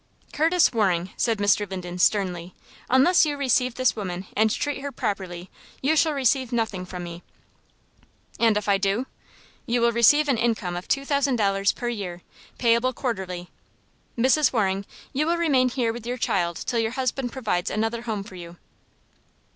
"Curtis Waring," said Mr. Linden, sternly, "unless you receive this woman and treat her properly, you shall receive nothing from me." "And if I do?" "You will receive an income of two thousand dollars a year, payable quarterly. Mrs. Waring, you will remain here with your child till your husband provides another home for you."